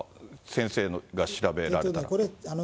先生が調べられたら。